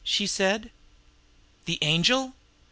she said. "The Angel?